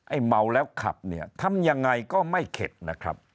เมาแล้วขับเนี่ยทำยังไงก็ไม่เข็ดนะครับ